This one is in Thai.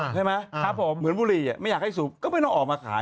ใช่ไหมครับผมเหมือนบุหรี่ไม่อยากให้สูบก็ไม่ต้องออกมาขาย